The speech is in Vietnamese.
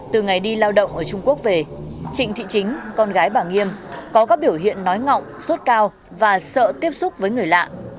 từ ngày đi lao động ở trung quốc về trịnh thị chính con gái bà nghiêm có các biểu hiện nói ngọng sốt cao và sợ tiếp xúc với người lạ